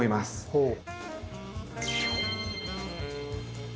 ほう。